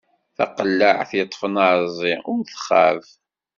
Taqellaɛt yeṭṭfen aɛeẓẓi, ur txab.